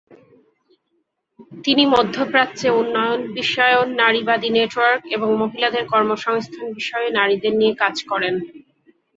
তিনি মধ্যপ্রাচ্যে উন্নয়ন, বিশ্বায়ন, নারীবাদী নেটওয়ার্ক এবং মহিলাদের কর্মসংস্থান বিষয়ে নারীদের নিয়ে কাজ করেন।